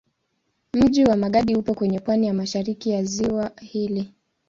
Mji wa Magadi upo kwenye pwani ya mashariki ya ziwa hili.